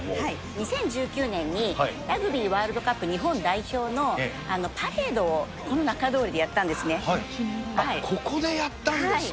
２０１９年にラグビーワールドカップ日本代表のパレードをこここでやったんですか。